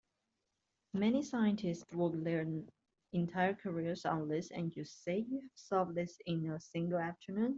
Many scientists work their entire careers on this, and you say you have solved this in a single afternoon?